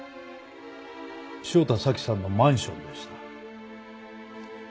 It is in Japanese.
汐田早紀さんのマンションでした。